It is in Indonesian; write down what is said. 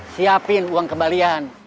siapin uang kembalian